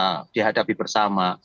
yang sedang dihadapi bersama